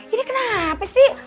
ini kenapa sih